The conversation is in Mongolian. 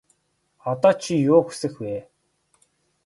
Одоо чи юу хүсэх вэ?